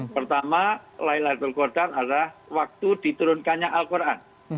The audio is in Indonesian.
pertama laylatul qadar adalah waktu diturunkannya al quran